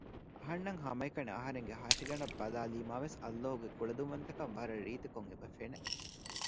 އަހަންނަށް ހަމައެކަނި އަހަރެންގެ ހަށިގަނޑަށް ބަލައިލީމާވެސް ﷲ ގެ ކުޅަދުންވަންތަކަން ވަރަށް ރީތިކޮށް އެބަ ފެނެ